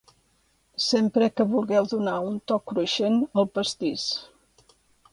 sempre que vulgueu donar un toc cruixent al pastís